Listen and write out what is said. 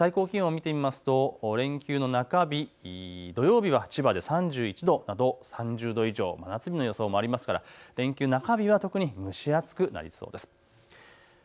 最高気温を見てみますと連休の中日、土曜日は千葉で３１度、３０度以上、夏日の予想もありますから連休中日は特に蒸し暑くなりそうです。